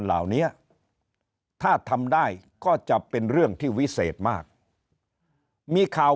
เหล่านี้ถ้าทำได้ก็จะเป็นเรื่องที่วิเศษมากมีข่าว